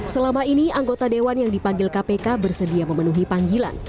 selama ini anggota dewan yang dipanggil kpk bersedia memenuhi panggilan